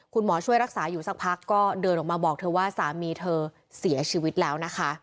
คุณหมอช่วยรักษาอยู่สักพักก็เดินออกมาบอกเธอว่าสามีเธอเสียชีวิตแล้วนะคะ